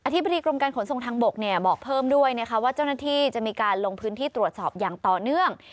ธิบดีกรมการขนส่งทางบกบอกเพิ่มด้วยนะคะว่าเจ้าหน้าที่จะมีการลงพื้นที่ตรวจสอบอย่างต่อเนื่อง